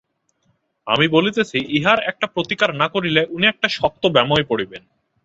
আমি বলিতেছি, ইহার একটা প্রতিকার না করিলে উনি একটা শক্ত ব্যামোয় পড়িবেন।